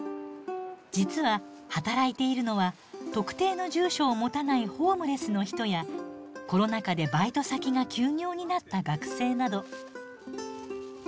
実は働いているのは特定の住所を持たないホームレスの人やコロナ禍でバイト先が休業になった学生など。